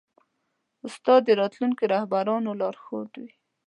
استاد د راتلونکو رهبرانو لارښود وي.